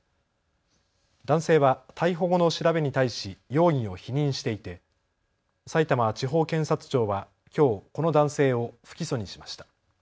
男性は逮捕後の調べに対し容疑を否認していてさいたま地方検察庁はきょうこの男性を不起訴にしました。